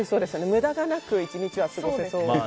無駄がなく１日が過ごせそう。